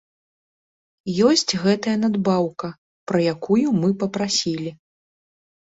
Ёсць гэтая надбаўка, пра якую мы папрасілі.